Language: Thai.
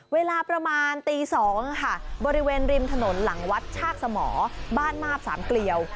เวลาประมาณตี๒ค่ะบริเวณริมถนนหลังวัดชากสมอบ้านมาบสามเกลียว